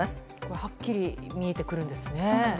はっきり見えてくるんですね。